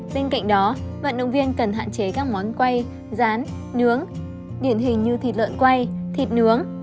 bên cạnh đó vận động viên cần hạn chế các món quay rán nướng điển hình như thịt lợn quay thịt nướng